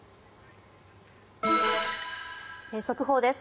速報です。